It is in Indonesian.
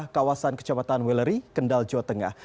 kawasan kecamatan weleri kendal jawa tengah